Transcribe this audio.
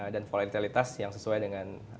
dan volatilitas yang sesuai dengan aset crypto